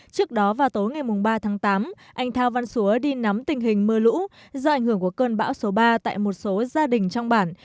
trước đó vào tối ngày ba tháng tám anh thao văn xúa đi nắm tình hình mưa lũ do ảnh hưởng của cơn bão số ba tại một số gia đình trong bản